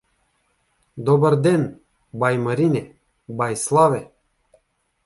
Добър ден, бай Марине, бай Славе!